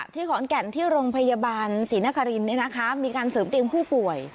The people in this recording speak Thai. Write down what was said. ที่ขอนแก่นที่โรงพยาบาลศรีนครินมีการเสริมเตียงผู้ป่วย